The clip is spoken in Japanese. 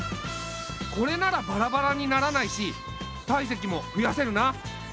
これならバラバラにならないし体積もふやせるな。